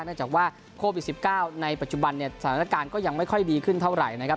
จากว่าโควิด๑๙ในปัจจุบันเนี่ยสถานการณ์ก็ยังไม่ค่อยดีขึ้นเท่าไหร่นะครับ